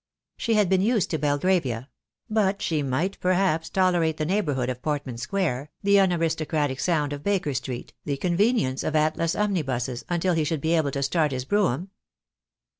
She had been used to Belgravia; but she might perhaps tolerate the neighbourhood of Portman Square, the un aristocratic sound of Baker Street, the convenience of Atlas omnibuses, until he should be able to start his brougham.